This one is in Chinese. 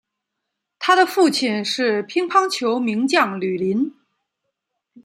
他的父亲是乒乓球名将吕林。